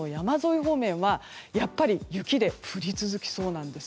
方面はやっぱり雪で降り続きそうなんです。